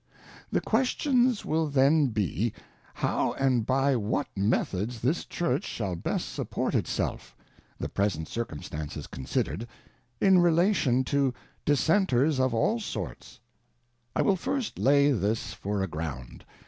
The Questions will then be, how and by what Methods this Church shall best support it self (the present Circumstances consider 'd) in relation to Dissenters of all sorts : I will first lay this for a ground.